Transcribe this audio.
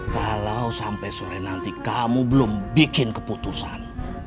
kalau sampai sore nanti kamu belum bikin keputusan